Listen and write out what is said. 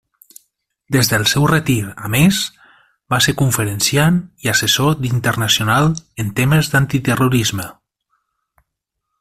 Des del seu retir, a més, va ser conferenciant i assessor internacional en temes d'antiterrorisme.